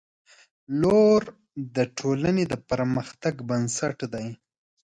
• لور د ټولنې د پرمختګ بنسټ دی.